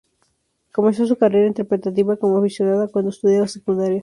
Comenzó su carrera interpretativa como aficionada cuando estudiaba secundaria.